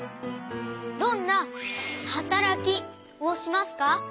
どんなはたらきをしますか？